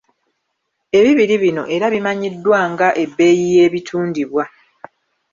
Ebibiri bino era bimanyiddwa nga ebbeeyi y’ebitundibwa.